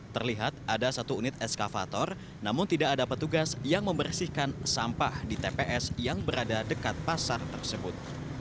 terlihat ada satu unit eskavator namun tidak ada petugas yang membersihkan sampah di tps yang berada dekat pasar tersebut